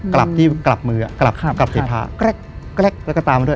กลับที่กลับมืออ่ะกลับกลับเสียท้าแล้วก็ตามันด้วย